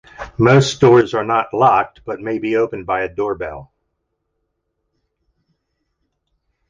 Most doors are not locked but may be opened by a doorbell.